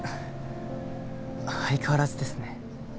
相変わらずですね。